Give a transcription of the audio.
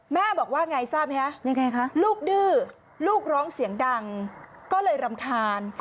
แม่บอกว่าไงทราบไหมคะยังไงคะลูกดื้อลูกร้องเสียงดังก็เลยรำคาญ